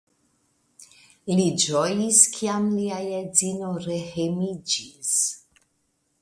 Li ĝojis, kiam lia edzino rehejmiĝis.